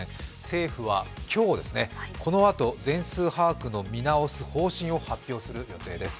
政府は今日、このあと、全数把握の見直す方針を発表する予定です。